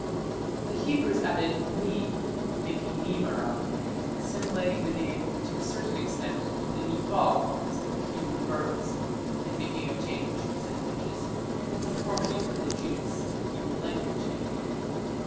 The Hebrews added "ni" = "ni marad", assimilating the name "to a certain extent to the 'niphal forms' of the Hebrew verbs and making a change", says Pinches, "in conformity with the genius of the Hebrew language".